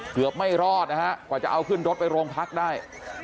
เกือบไม่รอดนะฮะกว่าจะเอาขึ้นรถไปโรงพักได้